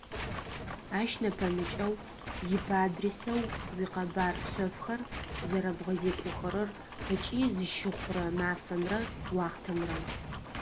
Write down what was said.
Ащ нэпэмыкӏэу, Ип-адресэу уикъэбар шъэфхэр зэрэбгъэзекӏохэрэр ыкӏи зыщыхъурэ мафэмрэ уахътэмрэ.